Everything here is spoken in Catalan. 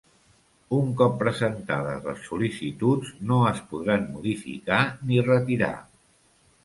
Un cop presentades les sol·licituds no es podran modificar ni retirar.